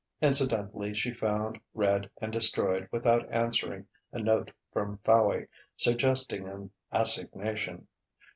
Incidentally she found, read, and destroyed without answering, a note from Fowey suggesting an assignation.